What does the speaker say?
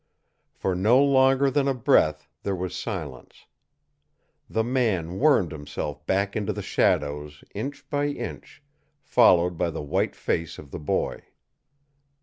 For no longer than a breath there was silence. The man wormed himself back into the shadows inch by inch, followed by the white face of the boy.